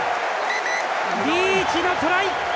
リーチのトライ！